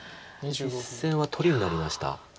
実戦は取りになりました。